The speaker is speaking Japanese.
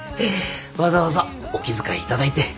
わざわざお気遣いいただいて。